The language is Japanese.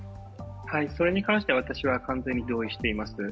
それに関しては私は完全に同意しています。